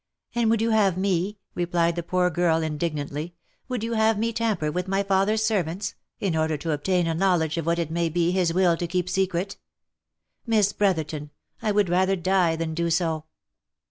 " And would you have me," replied the poor girl, indignantly, " would you have me tamper with my father's servants, in order to ob tain a knowledge of what it may be his will to keep secret ? Miss Brotherton, I would rather die than do so."